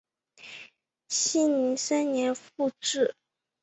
熙宁三年复置。